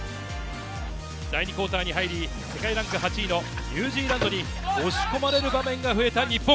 第２クオーターに入り、世界ランク８位のニュージーランドに押し込まれる場面が増えた日本。